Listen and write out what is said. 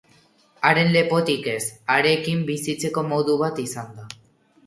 Haren lepotik ez, harekin bizitzeko modu bat izan da!